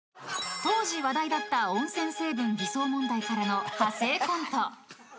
［当時話題だった温泉成分偽装問題からの派生コント］